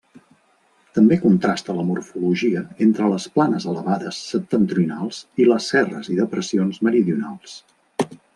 També contrasta la morfologia entre les planes elevades septentrionals i les serres i depressions meridionals.